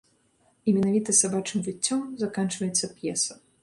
І менавіта сабачым выццём заканчваецца п'еса.